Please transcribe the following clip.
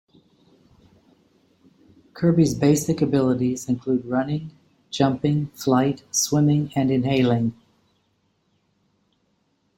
Kirby's basic abilities include running, jumping, flight, swimming, and inhaling.